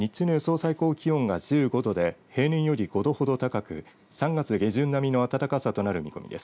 最高気温が１５度で平年より５度ほど高く３月下旬並みの暖かさとなる見込みです。